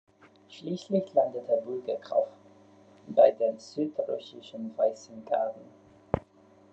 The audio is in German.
Schließlich landete Bulgakow bei den südrussischen Weißen Garden.